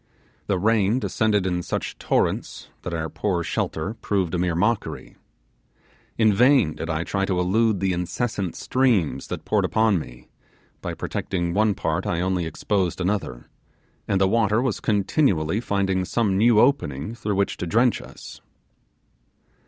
The rain descended in such torrents that our poor shelter proved a mere mockery. In vain did I try to elude the incessant streams that poured upon me; by protecting one part I only exposed another, and the water was continually finding some new opening through which to drench us.